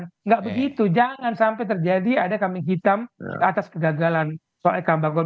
tidak begitu jangan sampai terjadi ada kambing hitam atas kegagalan soal eka bagon